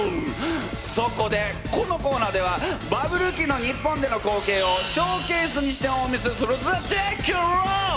そこでこのコーナーではバブル期の日本での光景をショーケースにしてお見せするぜチェケラ！